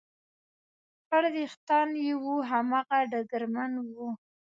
خړ وېښتان یې و، هماغه ډګرمن و.